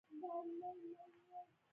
قلم کې یې توري نه لري د رنګ په غم غمجن